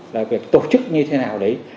là việc tổ chức như thế nào đấy